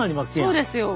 そうですよ。